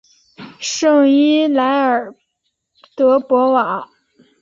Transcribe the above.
圣伊莱尔德博瓦。